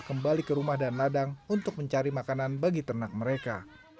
kembali ke rumah dan ladang untuk mencari makanan bagi ternak mereka